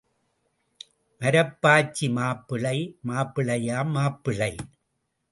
மரப்பாச்சி மாப்பிள்ளை மாப்பிள்ளையாம் மாப்பிள்ளை.